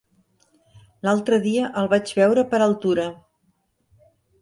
L'altre dia el vaig veure per Altura.